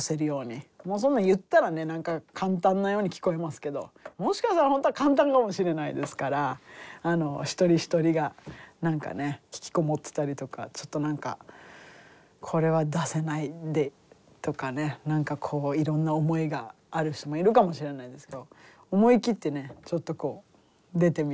もうそんな言ったらね何か簡単なように聞こえますけどもしかしたら本当は簡単かもしれないですから一人一人が何かね引きこもってたりとかちょっと何かこれは出せないんでとかね何かこういろんな思いがある人もいるかもしれないですけど思い切ってねちょっとこう出てみたりとかうん。